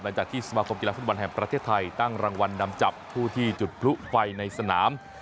หลังจากที่สมาคมกีฬาฟุตบอลแห่งประเทศไทยตั้งรางวัลนำจับผู้ที่จุดพลุไฟในสนาม